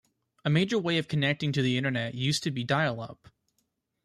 A major way of connecting to the Internet used to be dial-up.